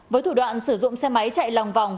với thủ đoạn sử dụng xe máy chạy lòng vòng